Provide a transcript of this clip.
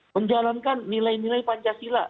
menjalankan nilai nilai pancasila